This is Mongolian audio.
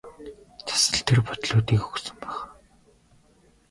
Цас л тэр бодлуудыг өгсөн байх.